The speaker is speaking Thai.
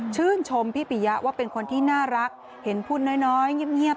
ชื่นชมพี่ปียะว่าเป็นคนที่น่ารักเห็นพูดน้อยเงียบ